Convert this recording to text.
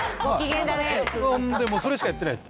それしかやってないです。